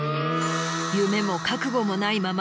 夢も覚悟もないまま。